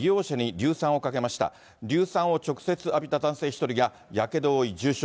硫酸を直接浴びた男性１人がやけどを負い重傷。